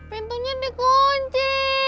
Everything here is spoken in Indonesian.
pintunya di kunci